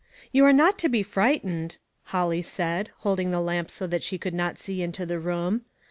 " You are not to be frightened," Holly said, holding the lamp so that she could not see into the room.